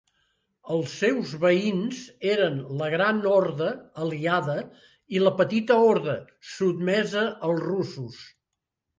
Els seus veïns eren la Gran Horda, aliada, i la Petita Horda, sotmesa als russos.